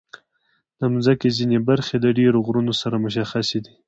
د مځکې ځینې برخې د ډېرو غرونو سره مشخصې دي.